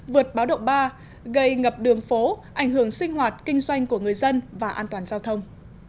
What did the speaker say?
vượt báo động ba gây ngập đường phố ảnh hưởng sinh hoạt kinh doanh của người dân và an toàn giao thông